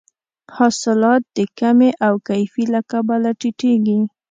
حاصلات د کمې او کیفي له کبله ټیټیږي.